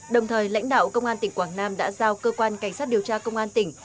đồng thời lãnh đạo công an tỉnh quảng nam đã giao cơ quan cảnh sát điều tra công an tỉnh